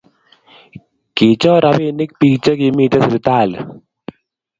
Kirchor rapinik pik che kimiten sipitali